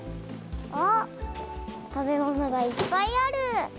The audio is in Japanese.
あっ食べ物がいっぱいある。